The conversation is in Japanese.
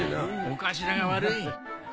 お頭が悪い。